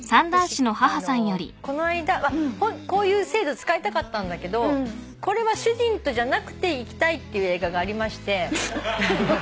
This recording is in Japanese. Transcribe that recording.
私この間こういう制度使いたかったんだけどこれは主人とじゃなくて行きたいっていう映画がありまして。